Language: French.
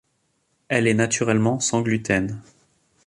Elle est naturellement sans gluten.